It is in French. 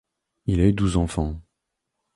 Il a eu douze enfants.